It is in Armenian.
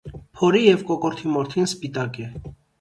Փորի և կոկորդի մորթին սպիտակ է։